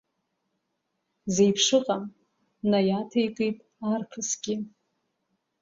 Зеиԥшыҟам, наиаҭеикит арԥысгьы.